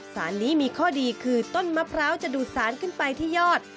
สารนี้มีข้อดีคือต้นมะพร้าวจะดูดสารขึ้นไปที่ยอด